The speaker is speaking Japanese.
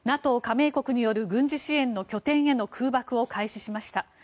加盟国による軍事支の拠点に空爆を開始しました。